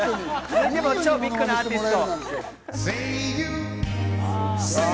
超ビッグなアーティスト。